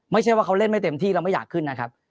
ไม่ใช่ว่าเขาเล่นไม่เต็มที่เราไม่อยากขึ้นนะครับ